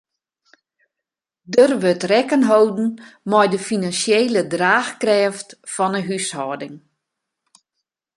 Der wurdt rekken holden mei de finansjele draachkrêft fan 'e húshâlding.